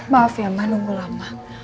maaf ya ma nunggu lama